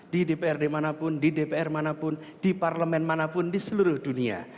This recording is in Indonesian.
di dprd manapun di dpr manapun di parlemen manapun di seluruh dunia